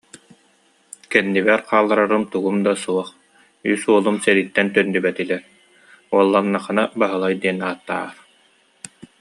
Кэннибэр хаалларарым тугум да суох, үс уолум сэрииттэн төннүбэтилэр, уолланнаххына Баһылай диэн ааттаар